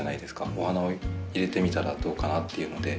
お花を入れてみたらどうかなっていうので。